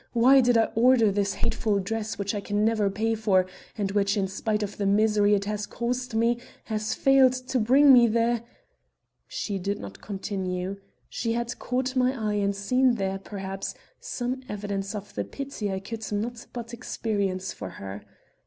Why did I order this hateful dress which I can never pay for and which, in spite of the misery it has caused me, has failed to bring me the " She did not continue. She had caught my eye and seen there, perhaps, some evidence of the pity I could not but experience for her.